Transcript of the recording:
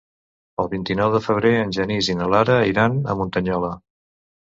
El vint-i-nou de febrer en Genís i na Lara iran a Muntanyola.